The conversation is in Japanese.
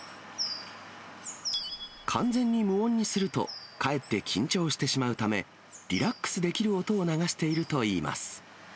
完全に無音にすると、かえって緊張してしまうため、リラックスできる音を流しているといいます。